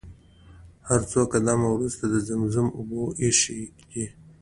هر څو قدمه وروسته د زمزم اوبه ايښي دي.